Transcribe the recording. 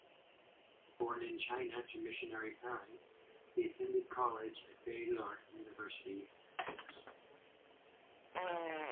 Born in China to missionary parents, he attended college at Baylor University in Texas.